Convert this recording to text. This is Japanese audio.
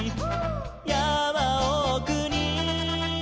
「やまおくに」